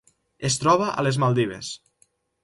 Es troba a les Maldives.